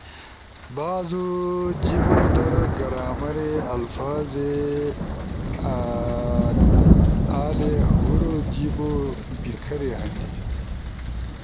بعضو جیبو در گرامرے، الفاظے آںی ہورو جیِبو بی کھری ہنی۔